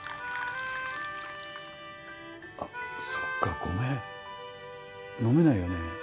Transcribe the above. あっそっかごめん飲めないよね